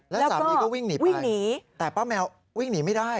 แล้วสามีก็วิ่งหนีไปแต่ป้าแมววิ่งหนีไม่ได้